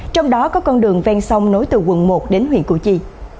trong đó có con đường ven sông nối từ quận một đến huyện củ chi